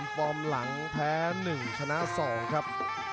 ฟอร์มหลังแพ้๑ชนะ๒ครับ